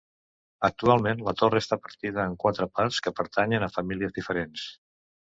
Actualment, la torre està partida en quatre parts que pertanyen a famílies diferents.